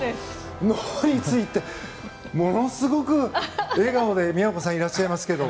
脳についてものすごく笑顔で京さん、いらっしゃいますけど。